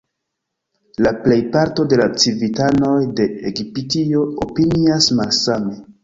La plejparto de la civitanoj de Egiptio opinias malsame.